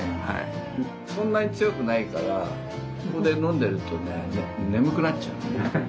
そんなに強くないからここで飲んでるとね眠くなっちゃうの。